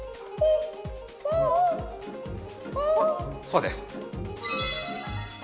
そうです。